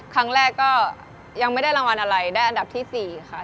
ครั้งแรกก็ยังไม่ได้รางวัลอะไรได้อันดับที่๔ค่ะ